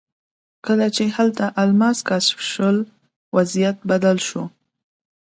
کله چې هلته الماس کشف شول وضعیت بدل شو.